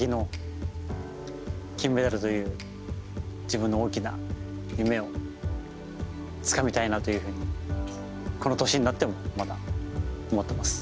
自分の大きな夢をつかみたいなというふうにこの年になってもまだ思っています。